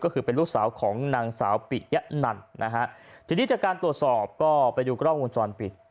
ก็คือเป็นลูกสาวของนางสาวปิยะนันนะฮะทีนี้จากการตรวจสอบก็ไปดูกล้องวงจรปิด